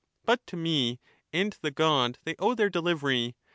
But to me and the god they owe their delivery.